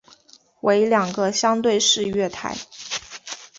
为两个相对式月台。